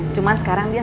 cuman sekarang dia